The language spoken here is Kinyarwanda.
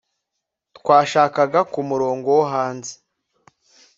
Twashakaga kumurongo wo hanze